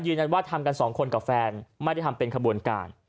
ว่าทำกันสองคนกับแฟนไม่ได้ทำเป็นขบวนการ